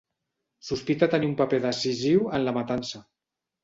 Sospita tenir un paper decisiu en la matança.